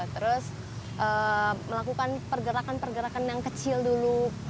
terus melakukan pergerakan pergerakan yang kecil dulu